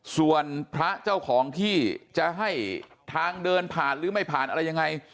ส่วนพระเจ้าของที่จะให้ทางเดินผ่านหรือไม่ผ่านอะไรยังไง